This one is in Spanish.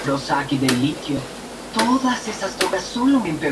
Ha reflejado a sus sirvientes o criados, cada uno con su propia individualidad.